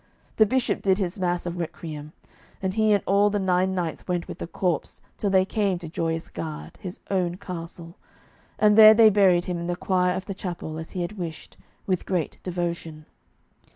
The Bishop did his mass of requiem, and he and all the nine knights went with the corpse till they came to Joyous Gard, his own castle, and there they buried him in the choir of the chapel, as he had wished, with great devotion.